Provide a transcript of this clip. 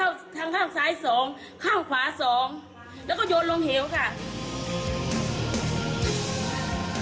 ข้างขวา๒แล้วก็โยนลงเหวค่ะ